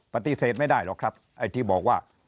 ปฏิเสธไม่ได้หรอกครับไอ้ที่บอกว่า